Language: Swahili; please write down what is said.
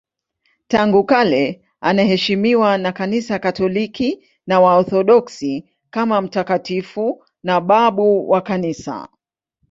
Tangu kale anaheshimiwa na Kanisa Katoliki na Waorthodoksi kama mtakatifu na babu wa Kanisa.